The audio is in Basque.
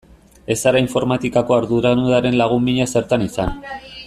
Ez zara informatikako arduradunaren lagun mina zertan izan.